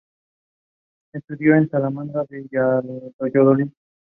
Mathurin is of Haitian descent.